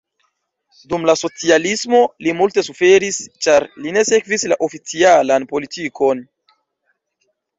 Dum la socialismo li multe suferis, ĉar li ne sekvis la oficialan politikon.